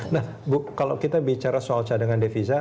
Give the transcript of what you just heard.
nah bu kalau kita bicara soal cadangan devisa